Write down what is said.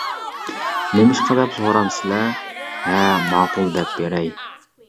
نېمىشقا دەپ سورامسىلەر؟ ھە، ماقۇل دەپ بېرەي.